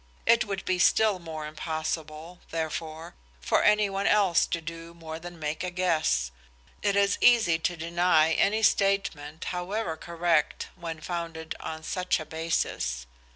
It would be still more impossible, therefore, for any one else to do more than make a guess. It is easy to deny any statement, however correct, when founded on such a basis.